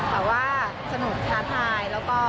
แต่ว่าสนุกท้าทายแล้วก็